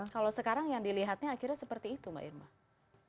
kalau sekarang yang dilihatnya akhirnya seperti itu mbak irma